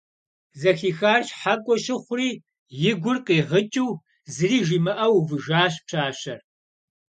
Зэхихар щхьэкӀуэ щыхьури, и гур къигъыкӀыу, зыри жимыӀэу увыжащ пщащэр.